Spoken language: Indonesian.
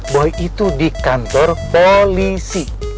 boy itu di kantor polisi